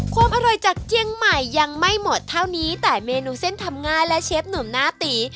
ความอร่อยจากเจียงใหม่ยังไม่หมดเท่านี้แต่เมนูเส้นทำง่ายและเชฟหนุ่มหน้าตี